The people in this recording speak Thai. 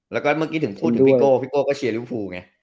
แล้วก็เมื่อกี้ถึงพูดถึงพี่โก้พี่โก้ก็เชียร์ริวภูไง